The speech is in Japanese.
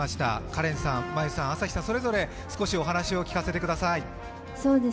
かれんさん、アサヒさん、それぞれ少しお話をお聞かせてください。